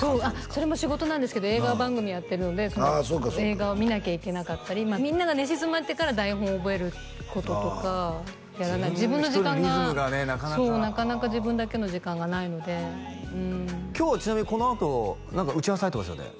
それも仕事なんですけど映画番組やってるので映画を見なきゃいけなかったりみんなが寝静まってから台本を覚えることとか自分の時間が自分一人のリズムがねそうなかなか自分だけの時間がないのでうん今日はちなみにこのあと何か打ち合わせ入ってますよね？